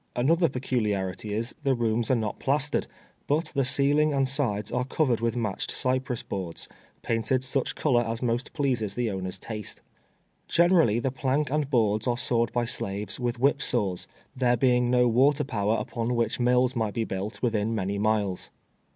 An other peculiarity is, the rooms are not plastered, but the ceiling and sides are covered with matched cy press boards, painted such color as most pleases the owner's taste. Generally the plank and boards are sawed by slaves with whip saws, there being no water power upon which mills might be built within many miles.